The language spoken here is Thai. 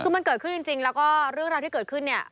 คือมันเกิดขึ้นจริงแล้วก็เรื่องราวที่เกิดขึ้นเนี่ย